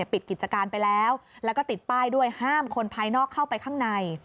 ปิดกิจการไปแล้วแล้วก็ติดป้ายด้วยห้ามคนภายนอกเข้าไปข้างใน